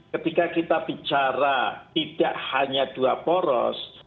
ketika kita bicara tidak hanya dua poros